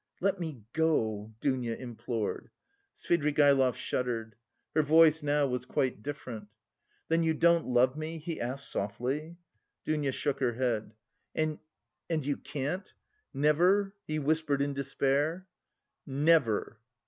"Let me go," Dounia implored. Svidrigaïlov shuddered. Her voice now was quite different. "Then you don't love me?" he asked softly. Dounia shook her head. "And... and you can't? Never?" he whispered in despair. "Never!"